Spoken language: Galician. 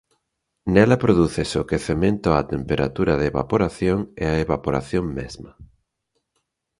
Nela prodúcese o quecemento á temperatura de evaporación e a evaporación mesma.